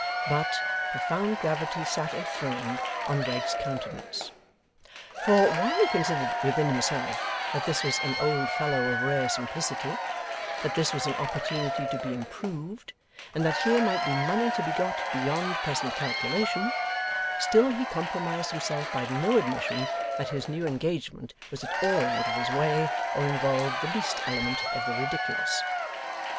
But, profound gravity sat enthroned on Wegg's countenance. For, while he considered within himself that this was an old fellow of rare simplicity, that this was an opportunity to be improved, and that here might be money to be got beyond present calculation, still he compromised himself by no admission that his new engagement was at all out of his way, or involved the least element of the ridiculous.